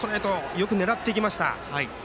よく狙ってきました。